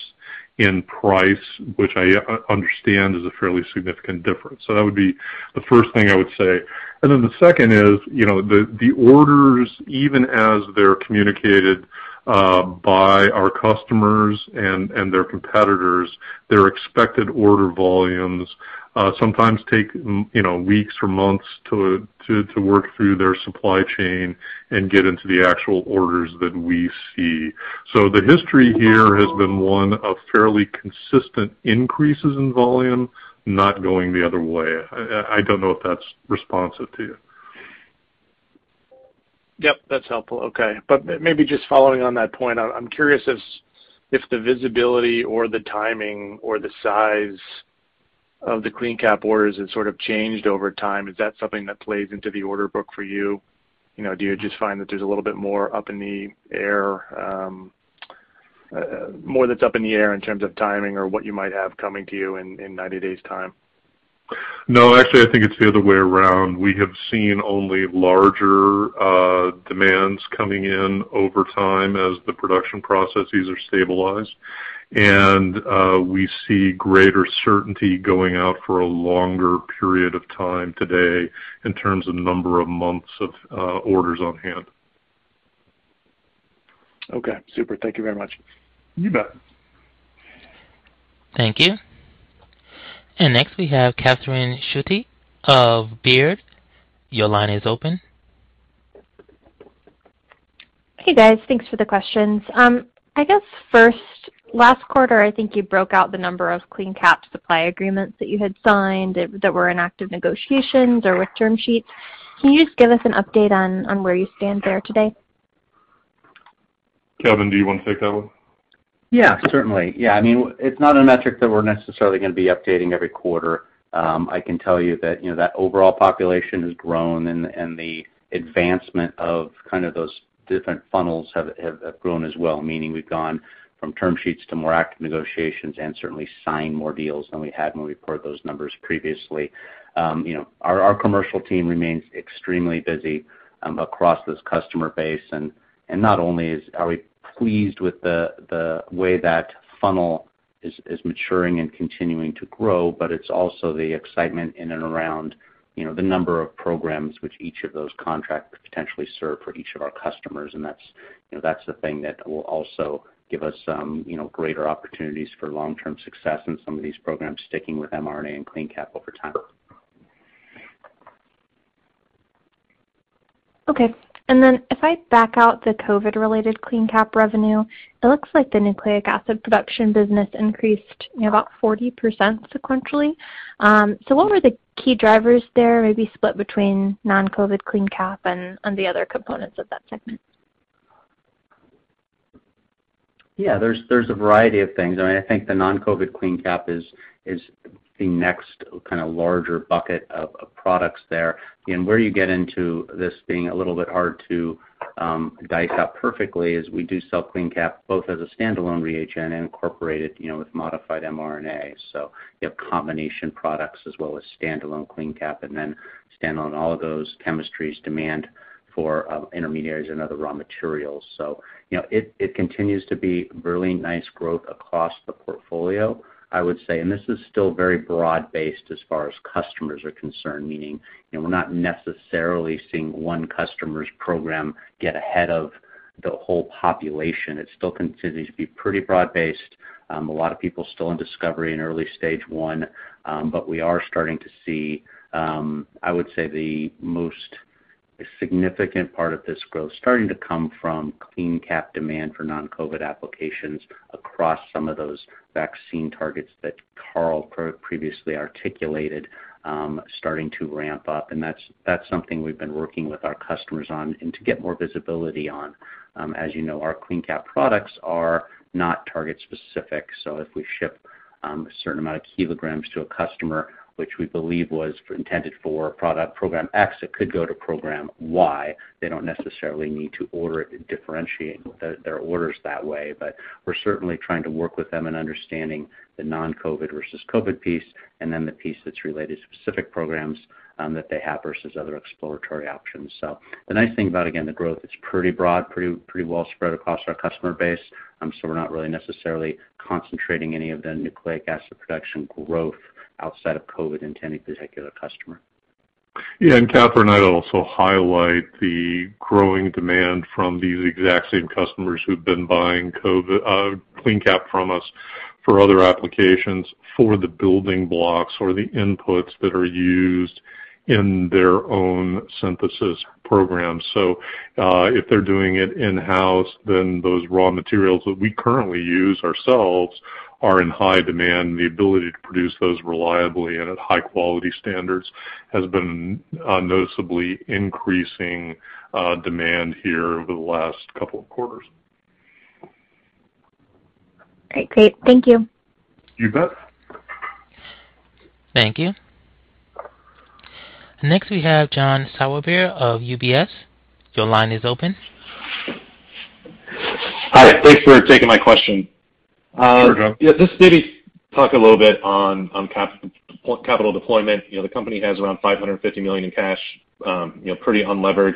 in price, which I understand is a fairly significant difference. That would be the first thing I would say. The second is, you know, the orders, even as they're communicated by our customers and their competitors, their expected order volumes sometimes take, you know, weeks or months to work through their supply chain and get into the actual orders that we see. The history here has been one of fairly consistent increases in volume, not going the other way. I don't know if that's responsive to you. Yep, that's helpful. Okay. Maybe just following on that point, I'm curious if the visibility or the timing or the size of the CleanCap orders has sort of changed over time. Is that something that plays into the order book for you? You know, do you just find that there's a little bit more up in the air, more that's up in the air in terms of timing or what you might have coming to you in 90 days time? No, actually, I think it's the other way around. We have seen only larger demands coming in over time as the production processes are stabilized. We see greater certainty going out for a longer period of time today in terms of number of months of orders on hand. Okay. Super. Thank you very much. You bet. Thank you. Next, we have Catherine Schulte of Baird. Your line is open. Hey, guys. Thanks for the questions. I guess first, last quarter, I think you broke out the number of CleanCap supply agreements that you had signed that were in active negotiations or with term sheets. Can you just give us an update on where you stand there today? Kevin, do you want to take that one? Yeah, certainly. Yeah. I mean, it's not a metric that we're necessarily gonna be updating every quarter. I can tell you that, you know, that overall population has grown and the advancement of kind of those different funnels have grown as well, meaning we've gone from term sheets to more active negotiations and certainly signed more deals than we had when we reported those numbers previously. You know, our commercial team remains extremely busy across this customer base, and not only are we pleased with the way that funnel is maturing and continuing to grow, but it's also the excitement in and around, you know, the number of programs which each of those contracts could potentially serve for each of our customers. That's, you know, that's the thing that will also give us some, you know, greater opportunities for long-term success in some of these programs sticking with mRNA and CleanCap over time. Okay. Then if I back out the COVID-related CleanCap revenue, it looks like the Nucleic Acid Production business increased, you know, about 40% sequentially. What were the key drivers there, maybe split between non-COVID CleanCap and the other components of that segment? Yeah. There's a variety of things. I mean, I think the non-COVID CleanCap is the next kind of larger bucket of products there. Again, where you get into this being a little bit hard to dice up perfectly is we do sell CleanCap both as a standalone reagent and incorporate it, you know, with modified mRNA. So we have combination products as well as standalone CleanCap, and then standalone all of those chemistries demand for intermediaries and other raw materials. So, you know, it continues to be really nice growth across the portfolio, I would say. This is still very broad-based as far as customers are concerned, meaning, you know, we're not necessarily seeing one customer's program get ahead of the whole population. It still continues to be pretty broad-based. A lot of people still in discovery in early stage one, but we are starting to see, I would say the most significant part of this growth starting to come from CleanCap demand for non-COVID applications across some of those vaccine targets that Carl previously articulated, starting to ramp up. That's something we've been working with our customers on and to get more visibility on. As you know, our CleanCap products are not target specific. If we ship a certain amount of kilograms to a customer, which we believe was intended for product program X, it could go to program Y. They don't necessarily need to order it and differentiate their orders that way. We're certainly trying to work with them in understanding the non-COVID versus COVID piece and then the piece that's related to specific programs that they have versus other exploratory options. The nice thing about, again, the growth, it's pretty broad, pretty well spread across our customer base, so we're not really necessarily concentrating any of the Nucleic Acid Production growth outside of COVID into any particular customer. Yeah, Catherine, I'd also highlight the growing demand from these exact same customers who've been buying COVID CleanCap from us for other applications for the building blocks or the inputs that are used in their own synthesis programs. If they're doing it in-house, then those raw materials that we currently use ourselves are in high demand. The ability to produce those reliably and at high-quality standards has been noticeably increasing demand here over the last couple of quarters. Great. Thank you. You bet. Thank you. Next, we have John Sourbeer of UBS. Your line is open. Hi. Thanks for taking my question. Sure, John. Just maybe talk a little bit on capital deployment. You know, the company has around $550 million in cash, you know, pretty unlevered.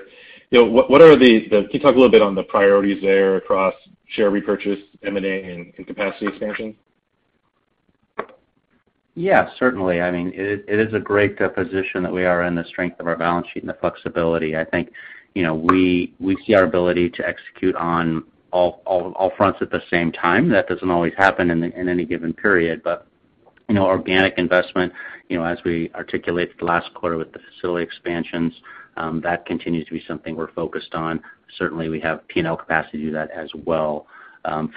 You know, what are the priorities there across share repurchase, M&A, and capacity expansion? Yes, certainly. I mean, it is a great position that we are in, the strength of our balance sheet and the flexibility. I think, you know, we see our ability to execute on all fronts at the same time. That doesn't always happen in any given period. You know, organic investment, you know, as we articulated the last quarter with the facility expansions, that continues to be something we're focused on. Certainly, we have P&L capacity to do that as well.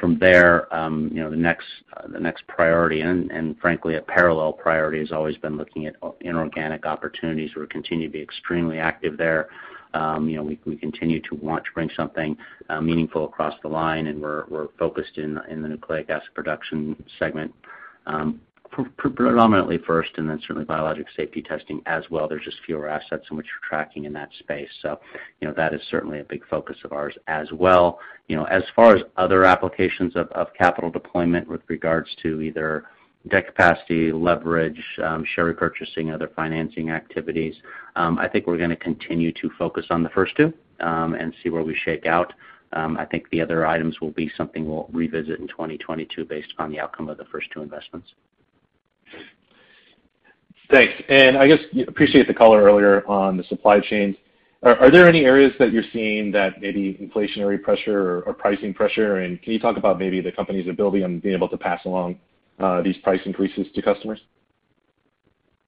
From there, you know, the next priority and frankly, a parallel priority has always been looking at inorganic opportunities. We continue to be extremely active there. You know, we continue to want to bring something meaningful across the line, and we're focused in the Nucleic Acid Production segment, predominantly first, and then certainly Biologics Safety Testing as well. There's just fewer assets in which we're tracking in that space. You know, that is certainly a big focus of ours as well. You know, as far as other applications of capital deployment with regards to either debt capacity, leverage, share repurchasing, other financing activities, I think we're gonna continue to focus on the first two, and see where we shake out. I think the other items will be something we'll revisit in 2022 based on the outcome of the first two investments. Thanks. I guess I appreciate the color earlier on the supply chains. Are there any areas that you're seeing that maybe inflationary pressure or pricing pressure? Can you talk about maybe the company's ability in being able to pass along these price increases to customers?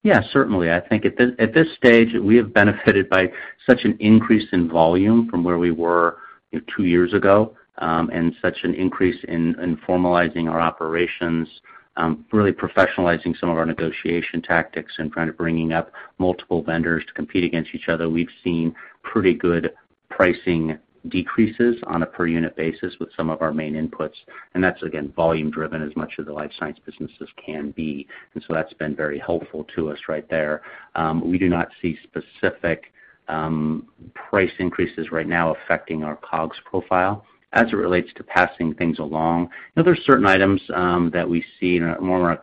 Yeah, certainly. I think at this stage, we have benefited by such an increase in volume from where we were, you know, two years ago, and such an increase in formalizing our operations, really professionalizing some of our negotiation tactics and kind of bringing up multiple vendors to compete against each other. We've seen pretty good pricing decreases on a per unit basis with some of our main inputs, and that's again, volume driven as much as the life science businesses can be. That's been very helpful to us right there. We do not see specific price increases right now affecting our COGS profile. As it relates to passing things along, you know, there's certain items that we see in a more of a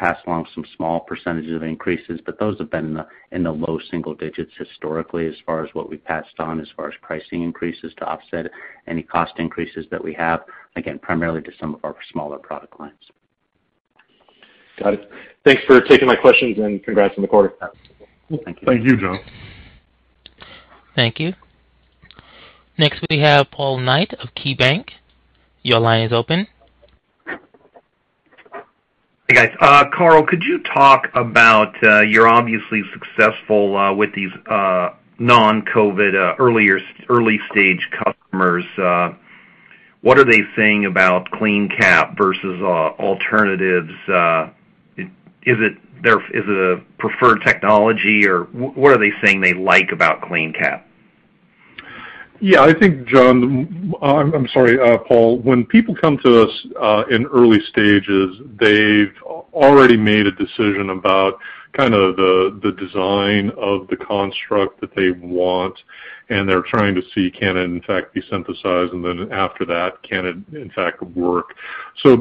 catalog type business that we can pass along some small percentages of increases, but those have been in the low single digits historically as far as what we passed on as far as pricing increases to offset any cost increases that we have, again, primarily to some of our smaller product lines. Got it. Thanks for taking my questions, and congrats on the quarter. Thank you, John. Thank you. Next, we have Paul Knight of KeyBank. Your line is open. Hey, guys. Carl, could you talk about, you're obviously successful with these non-COVID early-stage customers. What are they saying about CleanCap versus alternatives? Is it a preferred technology, or what are they saying they like about CleanCap? Yeah, I think, I'm sorry, Paul. When people come to us in early stages, they've already made a decision about kind of the design of the construct that they want, and they're trying to see can it in fact be synthesized, and then after that, can it in fact work.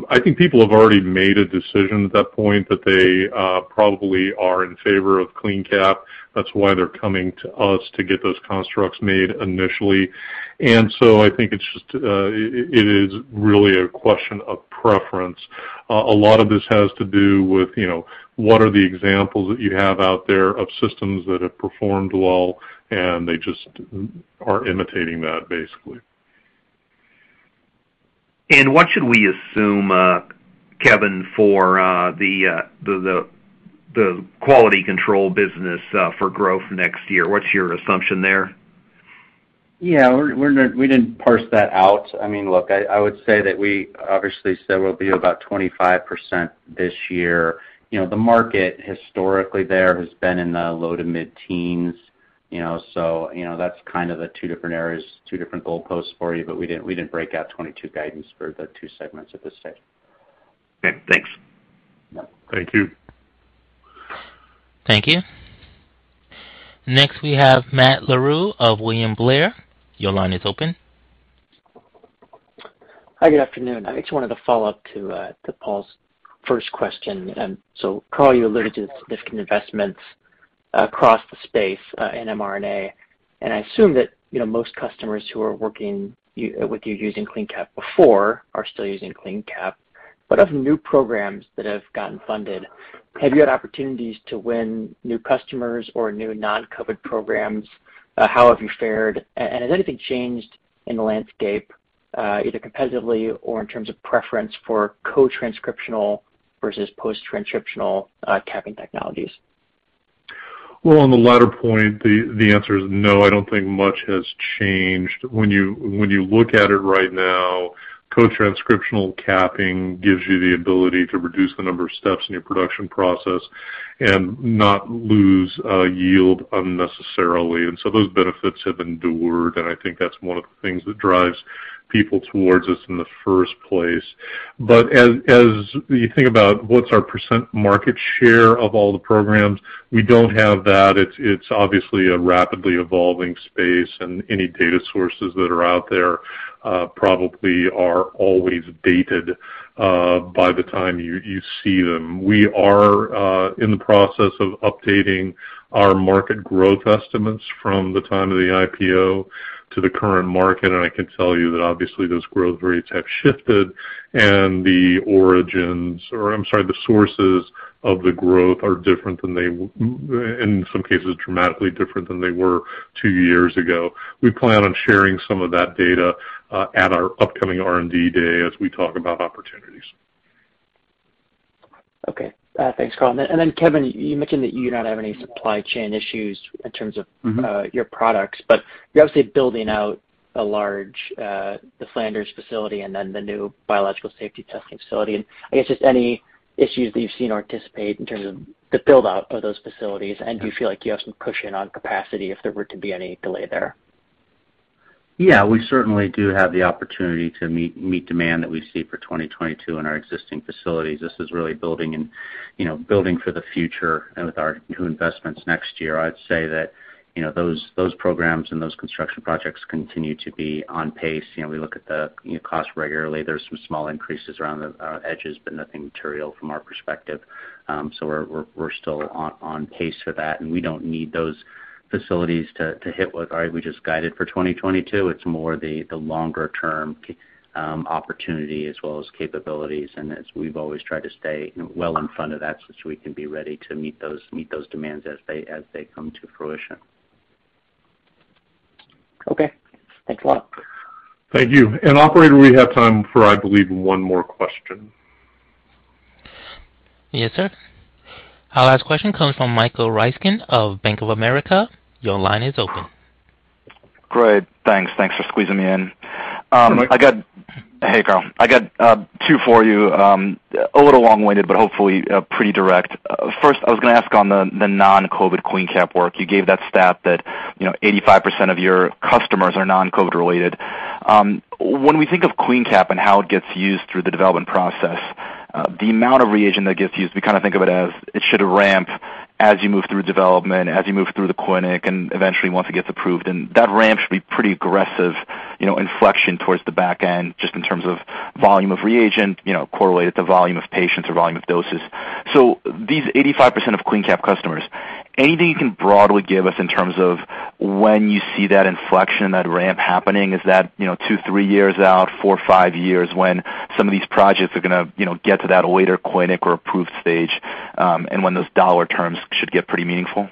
I think people have already made a decision at that point that they probably are in favor of CleanCap. That's why they're coming to us to get those constructs made initially. I think it's just it is really a question of preference. A lot of this has to do with, you know, what are the examples that you have out there of systems that have performed well, and they just are imitating that, basically. What should we assume, Kevin, for the quality control business, for growth next year? What's your assumption there? Yeah. We're not. We didn't parse that out. I mean, look, I would say that we obviously said we'll be about 25% this year. You know, the market historically there has been in the low to mid-teens, you know, so, you know, that's kind of the two different areas, two different goalposts for you, but we didn't break out 2022 guidance for the two segments at this stage. Okay, thanks. Thank you. Thank you. Next, we have Matt Larew of William Blair. Your line is open. Hi, good afternoon. I just wanted to follow up to Paul's first question. So Carl, you alluded to the significant investments across the space in mRNA, and I assume that, you know, most customers who are working with you using CleanCap before are still using CleanCap, but of new programs that have gotten funded, have you had opportunities to win new customers or new non-COVID programs? How have you fared? And has anything changed in the landscape, either competitively or in terms of preference for co-transcriptional versus post-transcriptional capping technologies? Well, on the latter point, the answer is no, I don't think much has changed. When you look at it right now, co-transcriptional capping gives you the ability to reduce the number of steps in your production process and not lose yield unnecessarily. Those benefits have endured, and I think that's one of the things that drives people towards us in the first place. As you think about what's our percent market share of all the programs, we don't have that. It's obviously a rapidly evolving space, and any data sources that are out there probably are always dated by the time you see them. We are in the process of updating our market growth estimates from the time of the IPO to the current market, and I can tell you that obviously those growth rates have shifted and the sources of the growth are different than they were in some cases dramatically different than they were two years ago. We plan on sharing some of that data at our upcoming R&D day as we talk about opportunities. Okay. Thanks, Carl. Kevin, you mentioned that you don't have any supply chain issues in terms of Mm-hmm. your products, but you're obviously building out the Flanders facility and then the new Biologics Safety Testing facility. I guess just any issues that you've seen or anticipate in terms of the build-out of those facilities, and do you feel like you have some cushion on capacity if there were to be any delay there? Yeah, we certainly do have the opportunity to meet demand that we see for 2022 in our existing facilities. This is really building in, you know, building for the future and with our new investments next year. I'd say that, you know, those programs and those construction projects continue to be on pace. You know, we look at the, you know, cost regularly. There's some small increases around the edges, but nothing material from our perspective. We're still on pace for that, and we don't need those facilities to hit what we just guided for 2022. It's more the longer term opportunity as well as capabilities. as we've always tried to stay well in front of that so we can be ready to meet those demands as they come to fruition. Okay. Thanks a lot. Thank you. Operator, we have time for, I believe, one more question. Yes, sir. Our last question comes from Michael Ryskin of Bank of America. Your line is open. Great. Thanks. Thanks for squeezing me in. You're welcome. Hey, Carl. I got two for you, a little long-winded, but hopefully pretty direct. First I was gonna ask on the non-COVID CleanCap work. You gave that stat that, you know, 85% of your customers are non-COVID related. When we think of CleanCap and how it gets used through the development process, the amount of reagent that gets used, we kinda think of it as it should ramp as you move through development, as you move through the clinic, and eventually once it gets approved. That ramp should be pretty aggressive, you know, inflection towards the back end just in terms of volume of reagent, you know, correlated to volume of patients or volume of doses. These 85% of CleanCap customers, anything you can broadly give us in terms of when you see that inflection, that ramp happening? Is that, you know, two, three years out, four, five years when some of these projects are gonna, you know, get to that later clinical or approved stage, and when those dollar terms should get pretty meaningful?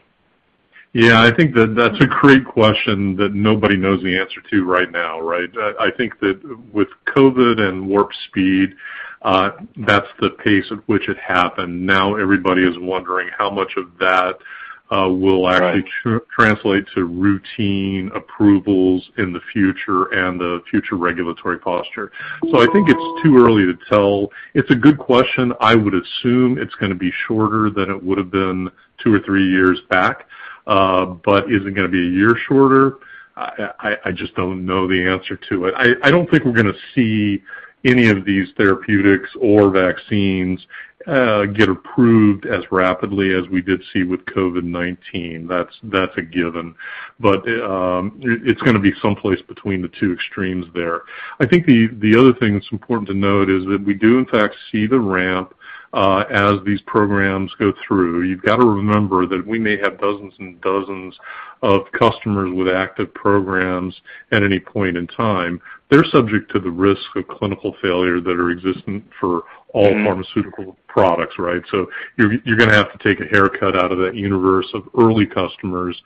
Yeah, I think that that's a great question that nobody knows the answer to right now, right? I think that with COVID and warp speed, that's the pace at which it happened. Now everybody is wondering how much of that will actually- Right. From the transition to routine approvals in the future and the future regulatory posture. I think it's too early to tell. It's a good question. I would assume it's gonna be shorter than it would've been two or three years back. Is it gonna be a year shorter? I just don't know the answer to it. I don't think we're gonna see any of these therapeutics or vaccines get approved as rapidly as we did see with COVID-19. That's a given. It's gonna be someplace between the two extremes there. I think the other thing that's important to note is that we do in fact see the ramp as these programs go through. You've got to remember that we may have dozens and dozens of customers with active programs at any point in time. They're subject to the risk of clinical failure that are existent for all. Mm-hmm. Pharmaceutical products, right? You're gonna have to take a haircut out of that universe of early customers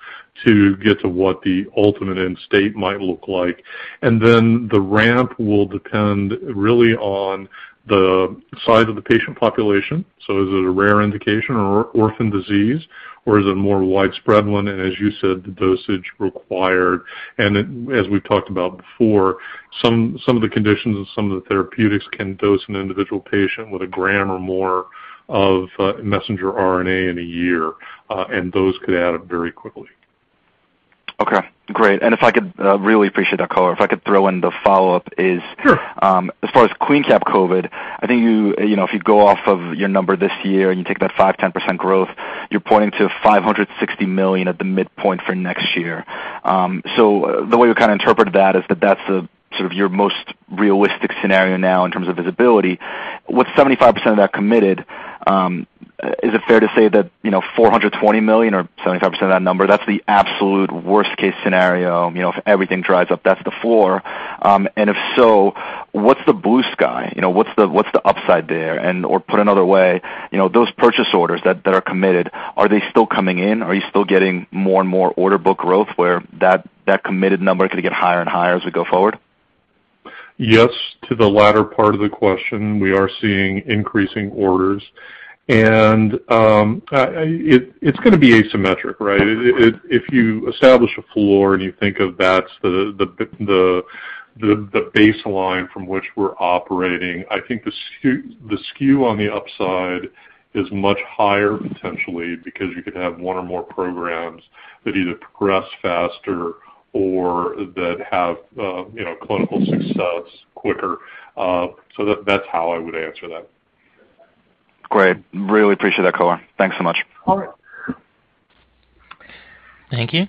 to get to what the ultimate end state might look like. The ramp will depend really on the size of the patient population. Is it a rare indication or orphan disease, or is it a more widespread one? As you said, the dosage required. As we've talked about before, some of the conditions and some of the therapeutics can dose an individual patient with a gram or more of messenger RNA in a year, and those could add up very quickly. Okay. Great. If I could really appreciate that color. If I could throw in the follow-up is- Sure. As far as CleanCap COVID, I think you know, if you go off of your number this year and you take that 5%-10% growth, you're pointing to $560 million at the midpoint for next year. So the way we kinda interpreted that is that that's the sort of your most realistic scenario now in terms of visibility. With 75% of that committed, is it fair to say that, you know, $420 million or 75% of that number, that's the absolute worst case scenario, you know, if everything dries up, that's the floor? If so, what's the blue sky? You know, what's the upside there? Or put another way, you know, those purchase orders that are committed, are they still coming in? Are you still getting more and more order book growth where that committed number could get higher and higher as we go forward? Yes, to the latter part of the question, we are seeing increasing orders. It’s gonna be asymmetric, right? If you establish a floor, and you think of that’s the baseline from which we’re operating, I think the SKU on the upside is much higher potentially because you could have one or more programs that either progress faster or that have you know, clinical success quicker. That’s how I would answer that. Great. Really appreciate that color. Thanks so much. All right. Thank you.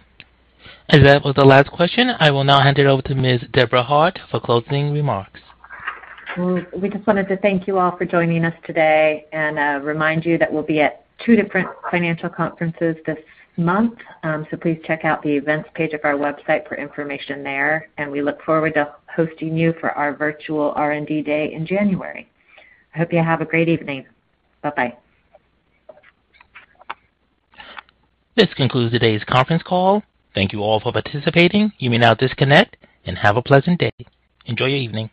As that was the last question, I will now hand it over to Ms. Debra Hart for closing remarks. Well, we just wanted to thank you all for joining us today and remind you that we'll be at two different financial conferences this month. Please check out the events page of our website for information there, and we look forward to hosting you for our virtual R&D day in January. I hope you have a great evening. Bye-bye. This concludes today's conference call. Thank you all for participating. You may now disconnect and have a pleasant day. Enjoy your evening.